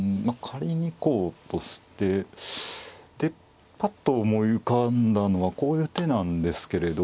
仮にこうとしてでぱっと思い浮かんだのはこういう手なんですけれど。